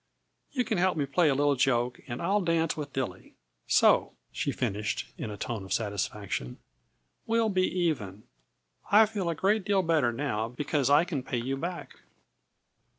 You can help me play a little joke, and I'll dance with Duly. So," she finished in a tone of satisfaction, "we'll be even. I feel a great deal better now, because I can pay you back."